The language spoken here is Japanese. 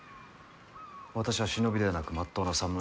私は忍びではなくまっとうなさむら。